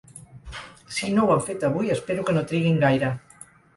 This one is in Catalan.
Si no ho han fet avui, espero que no triguin gaire.